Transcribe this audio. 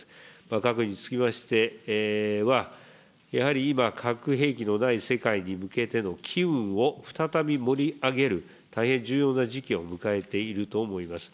わが国につきましては、やはり今、核兵器のない世界に向けての機運を再び盛り上げる、大変重要な時期を迎えていると思います。